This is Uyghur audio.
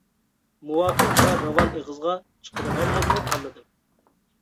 مۇۋاپىق ۋە راۋان ئېغىزغا چىقىدىغانلىرىنى تاللىدىم.